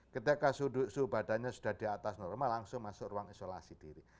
ketika suhu badannya sudah di atas normal langsung masuk ruang isolasi diri